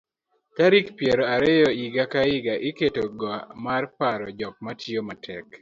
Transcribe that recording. tarik piero ariyo higa ka higa iketoga mar paro jok matiyo matek